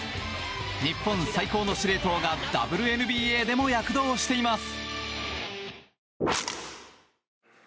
日本最高の司令塔がＷＮＢＡでも躍動しています。